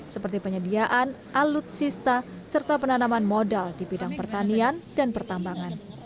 seperti penyediaan alutsista serta penanaman modal di bidang pertanian dan pertambangan